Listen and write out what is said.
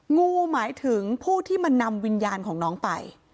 งูหมายถึงผู้ที่มานำวิญญาณของน้องไป